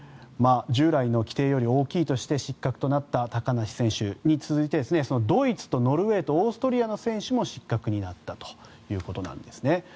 従来の規定より大きいとして失格となった高梨選手に続いてドイツとノルウェーとオーストリアの選手も失格になったということです。